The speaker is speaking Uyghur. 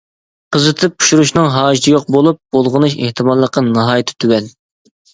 قىزىتىپ پىشۇرۇشنىڭ ھاجىتى يوق بولۇپ، بۇلغىنىش ئېھتىماللىقى ناھايىتى تۆۋەن.